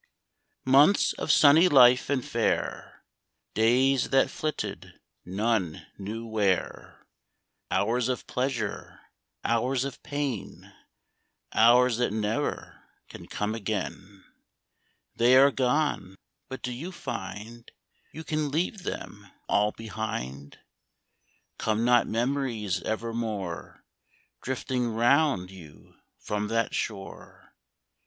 pNTHS of sunny life and fair, Days that flitted — none knew where, Hours of pleasure, hours of pain, Hours that ne'er can come again ; They are gone, but do you find You can leave them all behind? Come not memories evermore Drifting round you from that shore